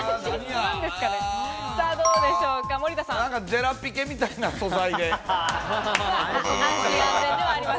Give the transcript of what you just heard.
ジェラピケみたいな素材で。